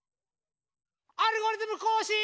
「アルゴリズムこうしん」！